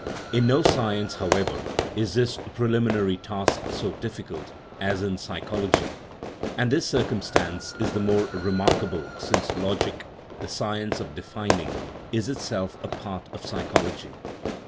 In no science, how ever, is this preliminary task so difficult as in psychol ogy ; and this circumstance is the more remarkable since logic, the science of defining, is itself a part of psychology.